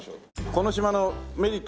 この島のメリット